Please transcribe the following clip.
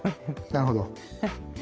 なるほど。